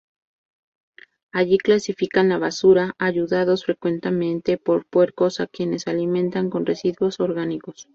Allí clasifican la basura, ayudados frecuentemente por puercos a quienes alimentan con residuos orgánicos.